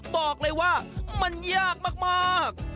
บอกเลยว่ามันยากมาก